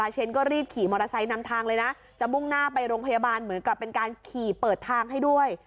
เชนก็รีบขี่มอเตอร์ไซค์นำทางเลยนะจะมุ่งหน้าไปโรงพยาบาลเหมือนกับเป็นการขี่เปิดทางให้ด้วย